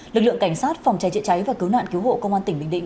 lực lượng cảnh sát phòng cháy chữa cháy và cứu nạn cứu hộ công an tỉnh bình định